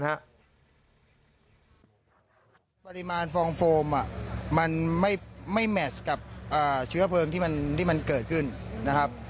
ปริมาณฟองโฟมมันไม่แมชกับเชื้อเพลิงที่มันเกิดขึ้นนะครับ